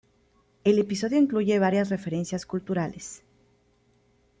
El episodio incluye varias referencias culturales.